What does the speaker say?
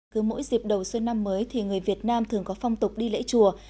cứ mỗi dịp đầu xuân năm mới thì người việt nam thường có phong tục đi lễ chùa